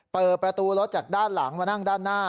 เปิดประตูรถจากด้านหลังมานั่งด้านหน้า